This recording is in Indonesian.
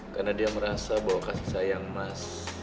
karena dia merasa bahwa kasih sayang mas